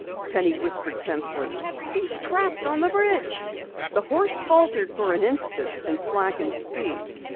Penny whispered tensely. "He's trapped on the bridge!" The horse faltered for an instant and slackened speed.